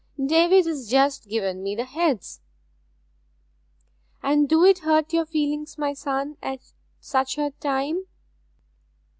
'David has just given me the heads.' 'And do it hurt your feelings, my son, at such a time?'